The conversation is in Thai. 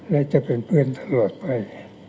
และจะเป็นเพื่อนตลอดไป